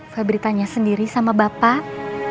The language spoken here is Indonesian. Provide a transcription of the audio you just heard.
feberitanya sendiri sama bapak